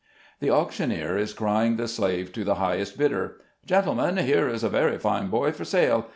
|HE auctioneer is crying the slave to the highest bidder. "Gentlemen, here is a very fine boy for sale.